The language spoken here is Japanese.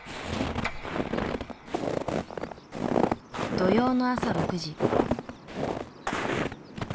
土曜の朝６時。